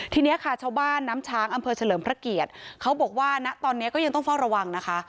ทีนี้ค่ะชาวบ้านน้ำช้างอำเภอเฉลิมพระเกียรติเขาบอกว่าณตอนนี้ก็ยังต้องเฝ้าระวังนะคะ